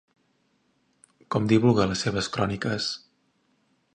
Com divulga les seves cròniques?